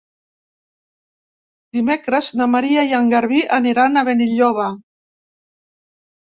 Dimecres na Maria i en Garbí aniran a Benilloba.